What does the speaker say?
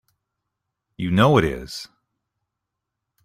You know it is!